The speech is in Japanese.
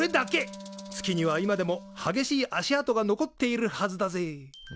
月には今でもはげしい足跡が残っているはずだぜ。